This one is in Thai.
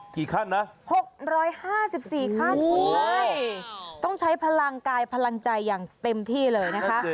กี่ขั้นนะหกร้อยห้าสิบสี่ขั้นเลยต้องใช้พลังกายพลังใจอย่างเต็มที่เลยนะคะ